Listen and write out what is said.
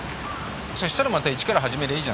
そしたらまた一から始めりゃいいじゃないか。